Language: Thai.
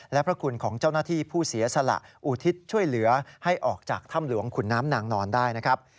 และพระคุณของเจ้าหน้าที่ผู้เสียสละอุทิศช่วยเหลือให้ออกจากถ้ำหลวงขุนน้ำนางนอนได้นะครับ